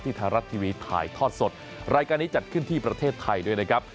ไทยรัฐทีวีถ่ายทอดสดรายการนี้จัดขึ้นที่ประเทศไทยด้วยนะครับ